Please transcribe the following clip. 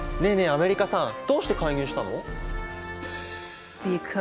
アメリカさんどうして介入したの？